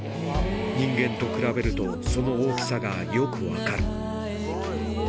人間と比べると、その大きさがよく分かる。